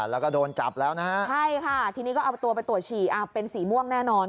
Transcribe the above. แล้วก็โดนจับแล้วนะฮะใช่ค่ะทีนี้ก็เอาตัวไปตรวจฉี่เป็นสีม่วงแน่นอน